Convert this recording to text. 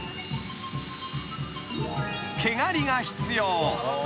［毛刈りが必要］